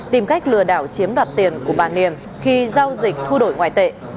tìm cách lừa đảo chiếm đoạt tiền của bà niềm khi giao dịch thu đổi ngoại tệ